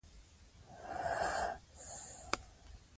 لوستې میندې د ماشوم پر ناروغۍ خبر وي.